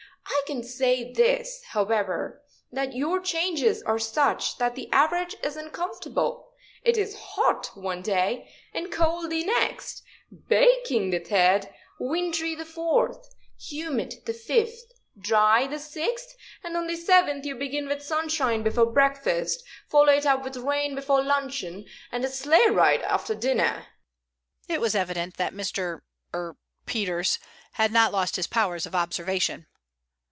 I can say this, however, that your changes are such that the average is uncomfortable. It is hot one day and cold the next; baking the third; wintry the fourth; humid the fifth; dry the sixth; and on the seventh you begin with sunshine before breakfast, follow it up with rain before luncheon, and a sleigh ride after dinner." It was evident that Mr. er Peters had not lost his powers of observation.